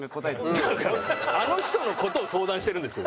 だからあの人の事を相談してるんですよ